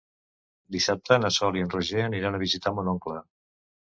Dissabte na Sol i en Roger aniran a visitar mon oncle.